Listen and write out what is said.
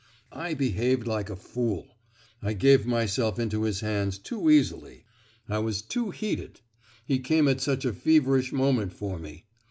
I behaved like a fool; I gave myself into his hands too easily; I was too heated; he came at such a feverish moment for me.